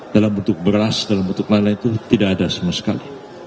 dalam bentuk beras dalam bentuk lain lain itu tidak ada sama sekali